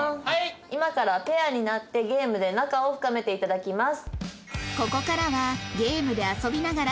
「今からペアになってゲームで仲を深めて頂きます」